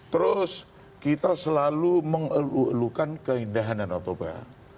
terus kita selalu mengeluh elukan keindahan dan otobah